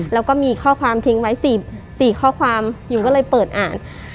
แล้วก็มีข้อความทิ้งไว้๔ข้อความหญิงก็เลยเปิดอ่าน